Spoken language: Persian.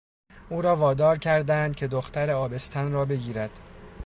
او را وادار کردند که دختر آبستن را بگیرد.